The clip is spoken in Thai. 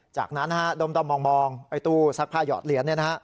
จากนั้นด้มมองตู้ซักผ้าหยอดเหรียญ